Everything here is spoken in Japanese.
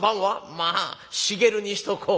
「まあ茂にしとこうか。